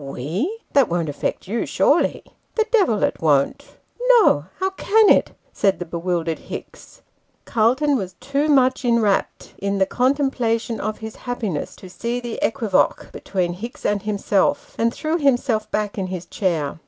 " We /That won't affect you, surely ?"" The devil it won't !" "No! how can it?" said the bewildered Hicks. Calton was too 214 Sketches by Boz. much inwrapped in the contemplation of his happiness to see the equivoque between Hicks and himself ; and threw himself back in his chair.